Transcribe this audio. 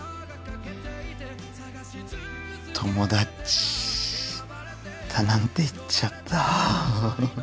友達だなんて言っちゃった。